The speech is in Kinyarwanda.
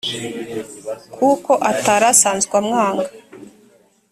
kuko atari asanzwe amwanga